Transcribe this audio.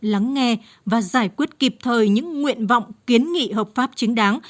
lắng nghe và giải quyết kịp thời những nguyện vọng kiến nghị hợp pháp chính đáng